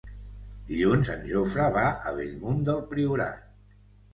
Dilluns en Jofre va a Bellmunt del Priorat.